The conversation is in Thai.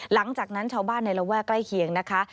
หลังจากนั้นชาวบ้านในระแวกใกล้เคียงนะคะ